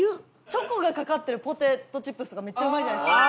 チョコがかかってるポテトチップスとかめっちゃうまいじゃないですか。